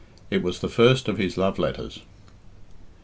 It was the first of his love letters.